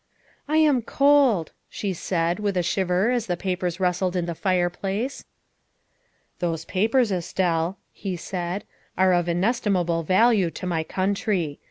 I am cold," she said with a shiver as the papers rustled in the fireplace. " Those papers, Estelle," he said, " are of inestimable value to my country.